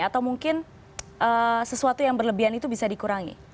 atau mungkin sesuatu yang berlebihan itu bisa dikurangi